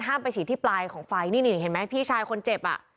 ไปฉีดที่ปลายของไฟนี่นี่เห็นไหมพี่ชายคนเจ็บอ่ะ